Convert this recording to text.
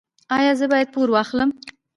ایا زه باید پور واخلم؟